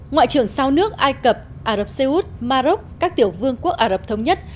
ngoại trưởng sau nước ai cập ả rập xê út ma rốc các tiểu vương quốc ả rập thống nhất